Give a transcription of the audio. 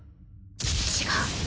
違う。